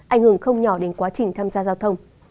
ảnh hưởng không nhỏ đến quá trình tham gia giao thông